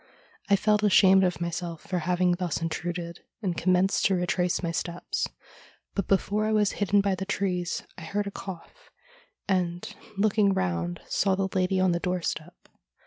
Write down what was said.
I felt ashamed of myself for having thus intruded, and commenced to retrace my steps, but before I was hidden by the trees I heard a cough, and, looking round, saw the lady on the doorstep.